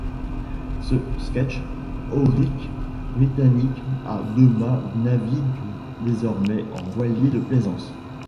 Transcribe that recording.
Ce ketch aurique britannique à deux mâts navigue désormais en voilier de plaisance.